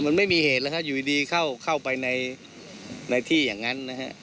มันไม่มีเหตุแล้วครับอยู่ดีเข้าไปในที่อย่างนั้นนะฮะ